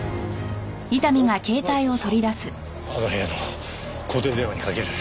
あの部屋の固定電話にかける。